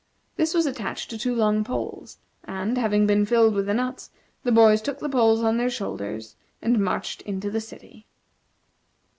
This was attached to two long poles, and, having been filled with the nuts, the boys took the poles on their shoulders, and marched into the city.